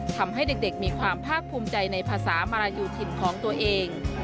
ทำให้เด็กมีความภาคภูมิใจในภาษามารยูถิ่นของตัวเอง